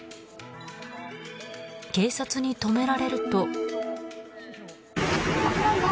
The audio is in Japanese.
警察に止められると。